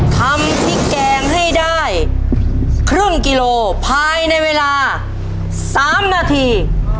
ทำพริกแกงให้ได้ครึ่งกิโลภายในเวลา๓นาที